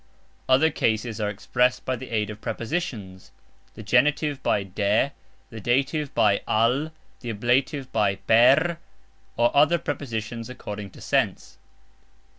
Other cases are expressed by the aid of prepositions (the genitive by "de", the dative by "al", the ablative by "per", or other prepositions according to sense).